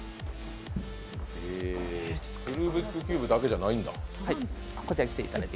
ルービックキューブだけじゃないんだ。